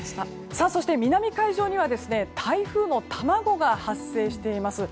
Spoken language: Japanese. そして南海上には台風の卵が発生しています。